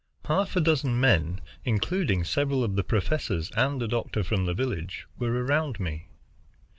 Half a dozen men, including several of the professors and a doctor from the village, were around me.